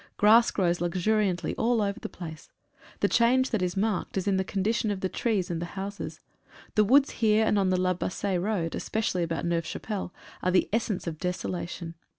Grass grows luxuriantly all over the place ; the change that is marked is in the condition of the trees and the houses. The woods here and on the La Bassee Road, especially about Neuve Chapelle, are the essence of desolation.